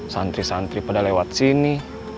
santri santri pada lewat sini